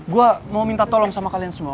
gue mau minta tolong sama kalian semua